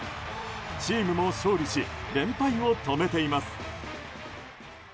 チームも勝利し連敗を止めています。